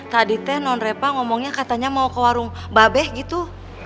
tadi teh non repa ngomongnya katanya mau ke warung babeh gitu